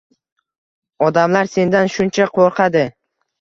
Odamlar sendan shuncha qo`rqadi